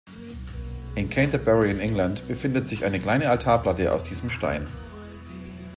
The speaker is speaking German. In Canterbury in England befindet sich eine kleine Altarplatte aus diesem Stein.